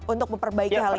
untuk memperbaiki hal ini